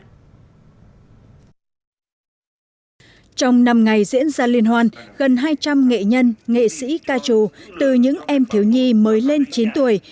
trong năm ngày diễn ra liên hoan gần hai trăm linh nghệ nhân nghệ sĩ ca trù từ những em thiếu nhi mới lên chín tuổi